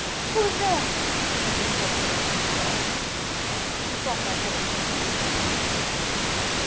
"Who is there?" answered the voice of her he sought. He thought that voice more feeble than usual.